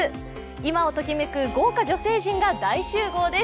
今をときめく豪華女性陣が大集合です。